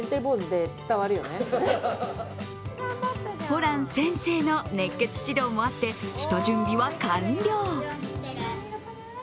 ホラン先生の熱血指導もあって下準備は完了。